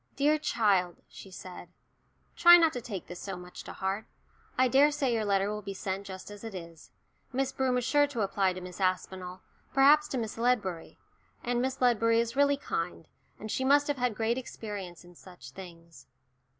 "Dear child," she said, "try not to take this so much to heart. I daresay your letter will be sent just as it is. Miss Broom is sure to apply to Miss Aspinall, perhaps to Miss Ledbury. And Miss Ledbury is really kind, and she must have had great experience in such things."